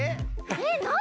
えっなに？